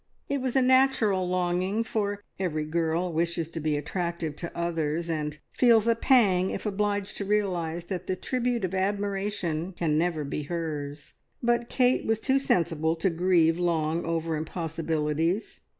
It was a natural longing, for every girl wishes to be attractive to others, and feels a pang if obliged to realise that the tribute of admiration can never be hers; but Kate was too sensible to grieve long over impossibilities.